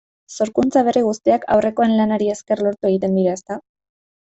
Sorkuntza berri guztiak aurrekoen lanari esker lortu egiten dira, ezta?